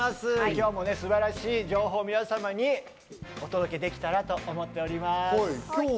今日も素晴らしい情報を皆様にお届けできたらと思っております。